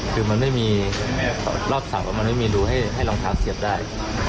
คือมันไม่มีรอบเสามันไม่มีรูให้รองเท้าเสียบได้